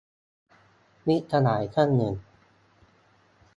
- มิตรสหายท่านหนึ่ง